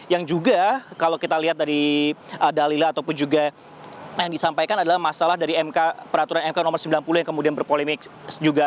yang juga kalau kita lihat dari dalil ataupun juga yang disampaikan adalah masalah dari peraturan mk nomor sembilan puluh yang kemudian berpolemik juga